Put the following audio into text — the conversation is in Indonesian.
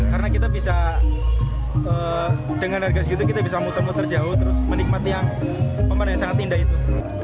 karena kita bisa dengan harga segitu kita bisa muter muter jauh terus menikmati yang pemanah yang sangat indah itu